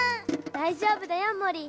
大丈夫だよモリー。